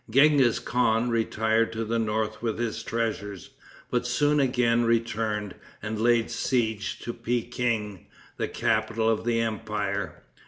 Genghis Khan retired to the north with his treasures; but soon again returned, and laid siege to Pekin, the capital of the empire.